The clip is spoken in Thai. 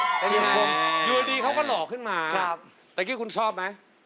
ผมอยู่ดีเขาก็เหลาะขึ้นมาตะกี้คุณชอบมั้ย